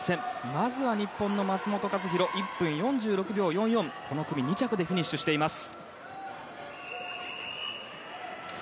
まず日本の松元克央１分４６秒４４この組２着でフィニッシュしています。